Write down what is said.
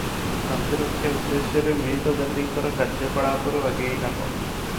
ଶାନ୍ତିରକ୍ଷା ଉଦ୍ଦେଶ୍ୟରେ ମିଳିତ ଜାତିଙ୍କର କାର୍ଯ୍ୟକଳାପରୁ ଆଗେଇ ନେବ ।